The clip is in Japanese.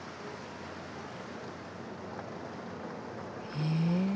へえ。